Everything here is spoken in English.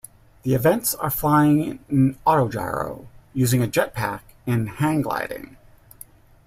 The events are flying an autogyro, using a jet pack, and hang gliding.